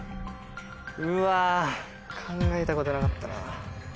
考えたことなかったな。